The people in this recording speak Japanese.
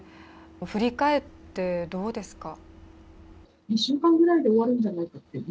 振り返って、どうですか？